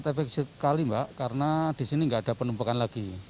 efektif sekali mbak karena di sini nggak ada penumpukan lagi